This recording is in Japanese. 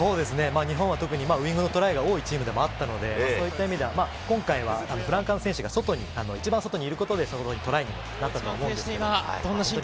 日本は特にウイングのトライが多いチームでもあったので、今回はフランカーの選手が外に一番外にいることでトライになったと思うんですけど。